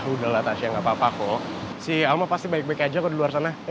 udah lah tasha gak apa apa kok si alma pasti baik baik aja kok di luar sana ya